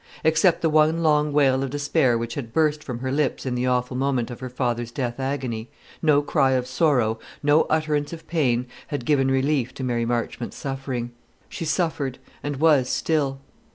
Except the one long wail of despair which had burst from her lips in the awful moment of her father's death agony, no cry of sorrow, no utterance of pain, had given relief to Mary Marchmont's suffering. She suffered, and was still.